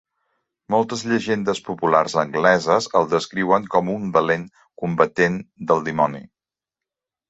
Moltes llegendes populars angleses el descriuen com un valent combatent del dimoni.